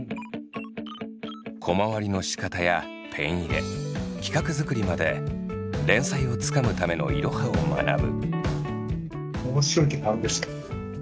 コマ割りのしかたやペン入れ企画づくりまで連載をつかむためのイロハを学ぶ。